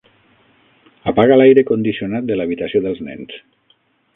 Apaga l'aire condicionat de l'habitació dels nens.